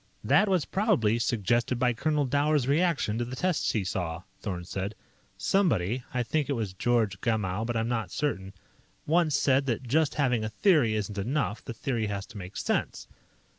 "That was probably suggested by Colonel Dower's reaction to the tests he saw," Thorn said. "Somebody I think it was George Gamow, but I'm not certain once said that just having a theory isn't enough; the theory has to make sense.